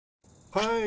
はい。